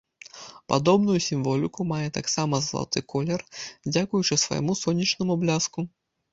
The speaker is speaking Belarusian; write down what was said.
Падобную сімволіку мае таксама залаты колер, дзякуючы свайму сонечнаму бляску.